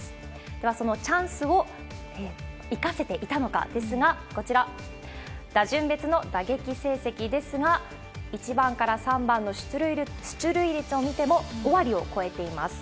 では、そのチャンスを生かせていたのかですが、こちら、打順別の打撃成績ですが、１番から３番の出塁率を見ても、５割を超えています。